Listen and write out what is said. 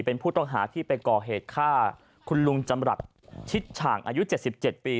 เป็นผู้ต้องหาที่ไปก่อเหตุฆ่าคุณลุงจำรัฐชิดฉ่างอายุ๗๗ปี